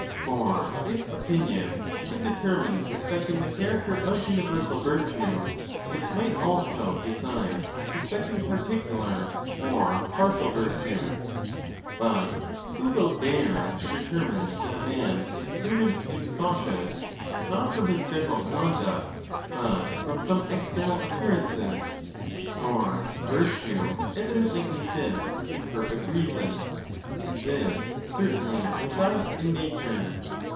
For if opinion could determine respecting the character of universal virtue, it might also decide respecting particular or _ partial virtues. But who will dare to determine that a man: is prudent and cautious, not from his general conduct, but from some external appearances? For virtue. evidently con sists in perfect reason, and this certainly resides in nature.